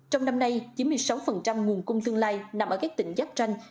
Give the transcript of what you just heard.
trong năm nay chín mươi sáu nguồn cung tương lai nằm ở các tỉnh giáp tranh